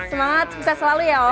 semangat semangat selalu ya om